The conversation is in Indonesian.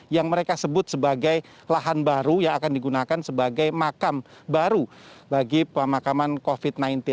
yang mereka sebut sebagai lahan baru yang akan digunakan sebagai makam baru bagi pemakaman covid sembilan belas